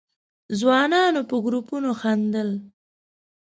ځوانانو په گروپونو خندل.